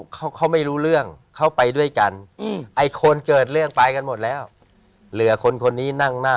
เขาไม่รู้เรื่อง